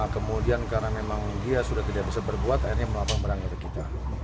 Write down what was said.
kemudian karena memang dia sudah tidak bisa berbuat akhirnya melapang barangnya ke kita